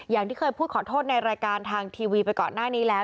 อย่างที่เคยพูดขอโทษในรายการทางทีวีไปก่อนหน้านี้แล้ว